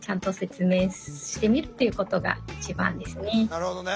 なるほどね。